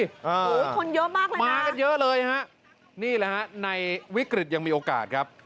โอ้โหคนเยอะมากเลยนะมากันเยอะเลยฮะนี่แหละฮะในวิกฤตยังมีโอกาสครับ